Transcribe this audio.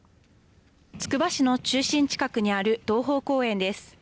つくば市の中心近くにある洞峰公園です。